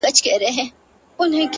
o زه د شرابيانو قلندر تر ملا تړلى يم؛